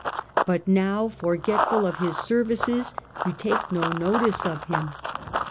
But now, forgetful of his services, you take no notice of him. .